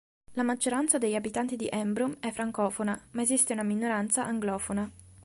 La maggioranza degli abitanti di Embrun è francofona, ma esiste una minoranza anglofona.